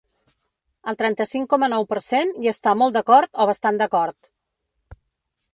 El trenta-cinc coma nou per cent hi està molt d’acord o bastant d’acord.